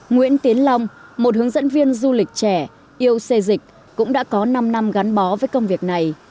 nguyễn tiến long một hướng dẫn viên du lịch trẻ yêu xe dịch cũng đã có năm năm gắn bó với công việc này